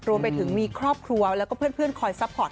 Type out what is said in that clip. รวมไปถึงมีครอบครัวแล้วก็เพื่อนคอยซัพพอร์ต